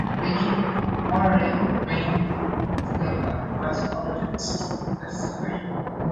In the end, Moore remained with Labour, but Elder was still dissatisfied.